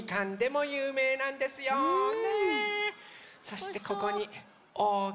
そしてここにおおきいみかん。